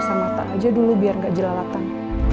puasa mata aja dulu biar gak jelalatan